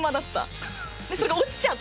それが落ちちゃった。